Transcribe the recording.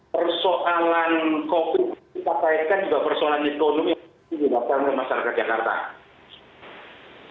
persoalan covid sembilan belas kita kaitkan juga persoalan ekonomi yang terpaham oleh masyarakat jakarta